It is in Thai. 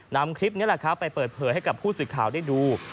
นำคลิปนี้แหละครับไปเปิดเผยให้กับผู้สื่อข่าวได้ดู